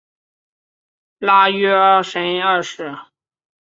拉约什二世。